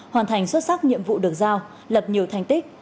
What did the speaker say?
hoàn thành xuất sắc nhiệm vụ được giao lập nhiều thành tích